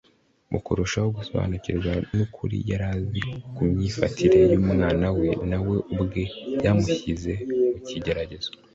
. Mu kurushaho gusobanukirwa n’ukuri yari azi ku myifatire y’Umwana we, na we ubwe byamushyize mu kigeragezo.